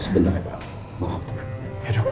bapak ibu bersabar